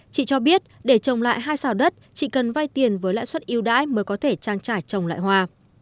chị cho biết để trồng lại hai xào đất chỉ cần vay tiền với lãi suất yêu đãi mới có thể trang trải trồng lại hoa